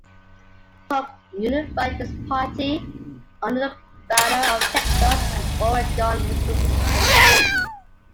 Polk unified his party under the banner of Texas and Oregon acquisition.